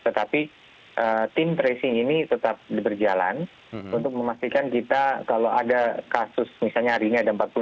tetapi tim tracing ini tetap berjalan untuk memastikan kita kalau ada kasus misalnya hari ini ada empat puluh enam